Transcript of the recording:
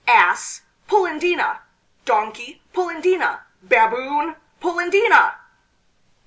"Ass!" "Polendina!" "Donkey!" "Polendina!" "Baboon!" "Polendina!"